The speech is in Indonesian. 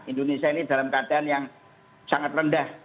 indonesia ini dalam keadaan yang sangat rendah